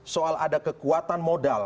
soal ada kekuatan modal